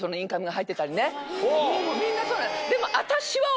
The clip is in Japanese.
みんなそうなの。